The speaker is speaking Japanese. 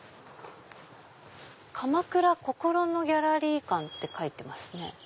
「鎌倉こころのギャラリー館」って書いてますね。